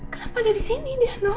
kenapa ada di sini